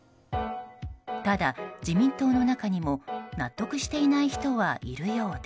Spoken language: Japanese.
ただ、自民党の中にも納得していない人はいるようで。